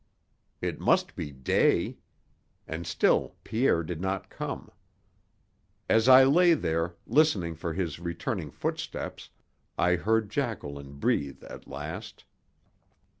It must be day. And still Pierre did not come. As I lay there, listening for his returning footsteps, I heard Jacqueline breathe at last.